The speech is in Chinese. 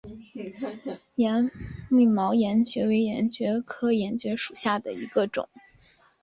密毛岩蕨为岩蕨科岩蕨属下的一个种。